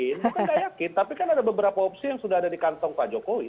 mungkin tidak yakin tapi kan ada beberapa opsi yang sudah ada di kantong pak jokowi